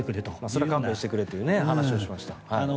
それは勘弁してくれという話をしました。